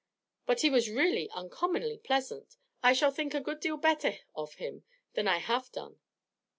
But he was really uncommonly pleasant; I shall think a good deal better of him than I have done.'